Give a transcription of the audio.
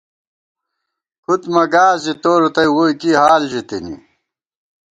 کھُد مہ گاس زی تو رتئ ووئی کی حال ژِتِنی